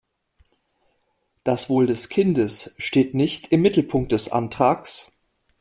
Das Wohl des Kindes steht nicht im Mittelpunkt des Antrags.